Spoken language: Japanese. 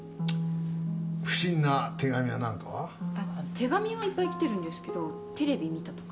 手紙はいっぱいきてるんですけどテレビ見たとかっていう。